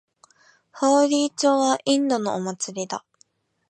ホーリー祭はインドのお祭りだ。